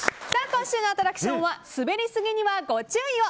今週のアトラクションは滑りすぎにはご注意を！